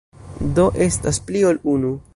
Du estas pli ol unu.